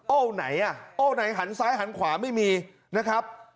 ไหนอ่ะโอ้ไหนหันซ้ายหันขวาไม่มีนะครับ